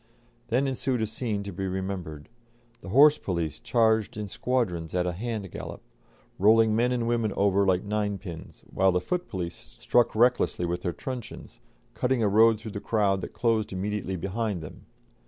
Then ensued a scene to be remembered; the horse police charged in squadrons at a hand gallop, rolling men and women over like ninepins, while the foot police struck recklessly with their truncheons, cutting a road through the crowd that closed immediately behind them.